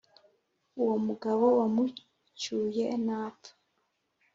Uwo mugabo wamucyuye napfa